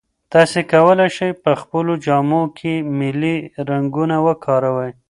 تاسي کولای شئ په خپلو جامو کې ملي رنګونه وکاروئ.